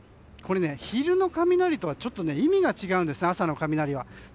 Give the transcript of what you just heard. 昼の雷とは、ちょっと意味が違うんです、朝の雷は。